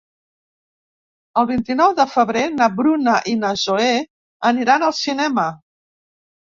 El vint-i-nou de febrer na Bruna i na Zoè aniran al cinema.